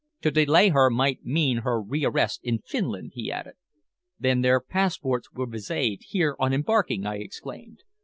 To delay her might mean her rearrest in Finland," he added. "Then their passports were viséd here on embarking?" I exclaimed.